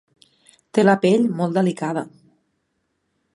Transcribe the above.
Té la pell molt delicada.